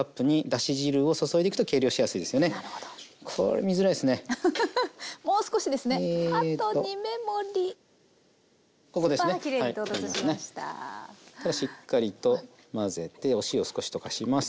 したらしっかりと混ぜてお塩少し溶かします。